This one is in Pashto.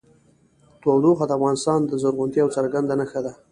تودوخه د افغانستان د زرغونتیا یوه څرګنده نښه ده.